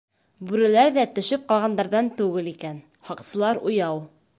Бүреләр ҙә төшөп ҡалғандарҙан түгел икән, һаҡсылар уяу.